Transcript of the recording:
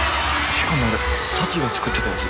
しかもあれサチが作ってたやつ。